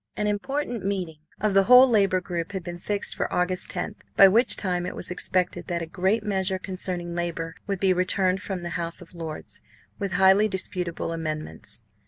An important meeting of the whole Labour group had been fixed for August 10, by which time it was expected that a great measure concerning Labour would be returned from the House of Lords with highly disputable amendments.